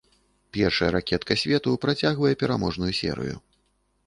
Першая ракетка свету працягвае пераможную серыю.